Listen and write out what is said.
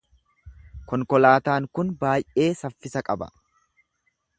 Konkolaataan kun baay’ee saffisa qaba.